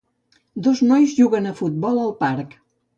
Dos nois juguen a futbol al parc.